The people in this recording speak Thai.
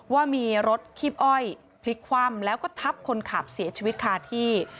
ว่ามีรถคีบอ้อยพลิกคว่ำแล้วก็ทับคนขับเสียชีวิตคาที่